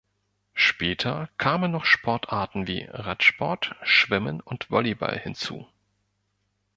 Später kamen noch Sportarten wie Radsport, Schwimmen und Volleyball hinzu.